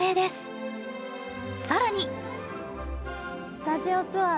スタジオツアー